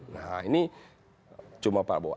nah ini cuma prabowo